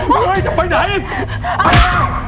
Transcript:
เฮ้ยจะไปไหน